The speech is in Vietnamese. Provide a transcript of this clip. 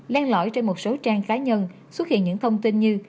len lõi trên một số trang cá nhân xuất hiện những thông tin như